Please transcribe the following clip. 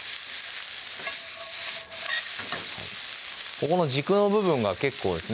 ここの軸の部分が結構ですね